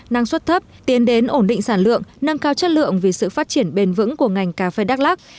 năng suất thấp tiến đến ổn định sản lượng nâng cao chất lượng vì sự phát triển bền vững của ngành cà phê đắk lắc